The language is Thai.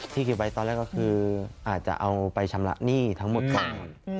เก็บไว้ตอนแรกก็คืออาจจะเอาไปชำระหนี้ทั้งหมดก่อน